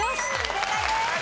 正解です。